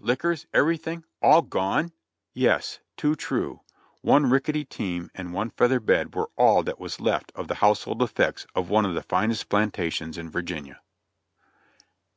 Liquors! Everything ! All gone !" Yes, too true ! One rickety team and one feather bed were all that was left of the household effects of one of the finest planta tions in Virginia.